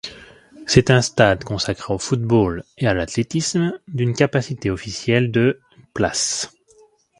C'est un stade consacré au football et à l'athlétisme d'une capacité officielle de places.